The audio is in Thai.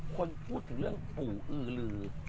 คนพูดถึงเรื่องปู่อือลือ